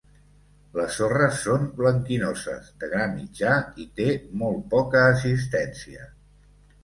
Les sorres són blanquinoses de gra mitjà i té molt poca assistència.